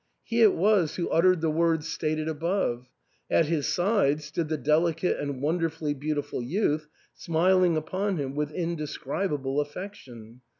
He it was who uttered the words stated above ; at his side stood the delicate and wonderfully beautiful youth, smiling upon him with indescribable affection.